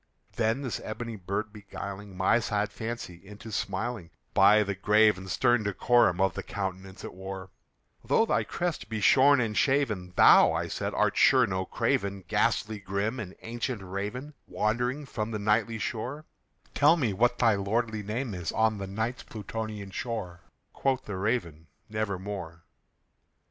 Then this ebony bird beguiling my sad fancy into smiling, By the grave and stern decorum of the countenance it wore, "Though thy crest be shorn and shaven, thou," I said, "art sure no craven, Ghastly grim and ancient Raven wandering from the Nightly shore Tell me what thy lordly name is on the Night's Plutonian shore!" Quoth the Raven, "Nevermore."